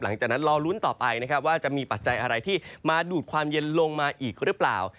หลังจากนั้นรอลุ้นต่อไปนะครับว่าจะมีปัจจัยอะไรที่มาดูดความเย็นลงมาอีกหรือเปล่า